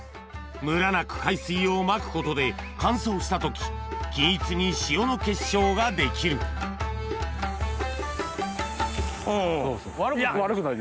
ムラなく海水をまくことで乾燥した時均一に塩の結晶が出来るうん悪くない。